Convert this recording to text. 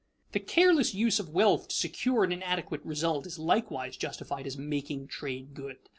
_ The careless use of wealth to secure an inadequate result is likewise justified as "making trade good."